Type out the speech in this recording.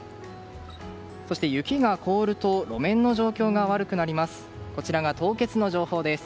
そして、雪が凍ると路面の状況が悪くなります。